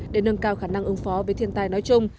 để nâng cao khả năng ứng phó với thiên tai nói chung